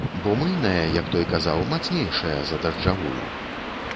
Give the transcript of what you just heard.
Бо мыльная, як той казаў, мацнейшая за дажджавую.